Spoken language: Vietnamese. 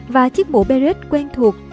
và chiếc mũ beret quen thuộc